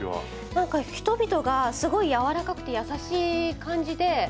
なんか人々がすごい柔らかくて優しい感じで。